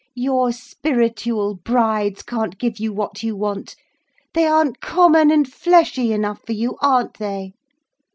Your spiritual brides can't give you what you want, they aren't common and fleshy enough for you, aren't they?